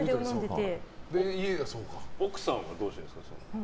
奥さんはどうしてるんですか？